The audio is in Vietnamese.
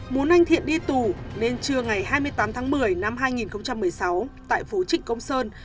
muốn anh thiện đi tù nên trưa ngày hai mươi tám tháng một mươi năm hai nghìn một mươi sáu tại phố trịnh công sơn